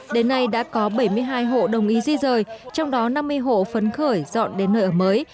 đến nay đã có bảy mươi hai hộ đồng ý di rời trong đó năm mươi hộ phấn khởi dọn đến nơi ở mới